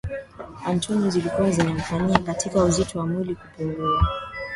Antonio zilikuwa zinamfanyia kazi uzito wa mwili upungua